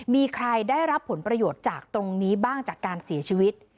มีใครได้รับผลประโยชน์จากตรงนี้บ้างจากการเสียชีวิต